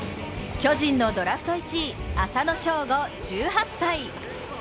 巨人のドラフト１位・浅野翔吾、１８歳。